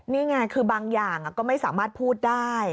นี่ไงคือบางอย่างก็ไม่สามารถพูดได้